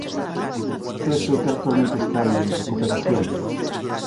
Crese que actualmente está en recuperación.